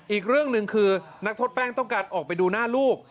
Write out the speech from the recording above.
อีกเรื่องหนึ่งคือนักโทษแป้งต้องการออกไปดูหน้าลูก